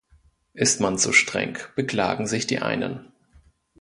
Ist man zu streng, beklagen sich die einen.